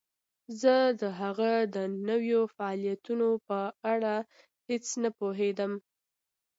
زه د هغه د نویو فعالیتونو په اړه هیڅ نه پوهیدم